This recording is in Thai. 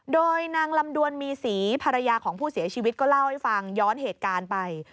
โดยนางลำดวนมีศรีภรรยาของผู้เสียชีวิตก็เล่าให้ฟังย้อนเหตุการณ์ไป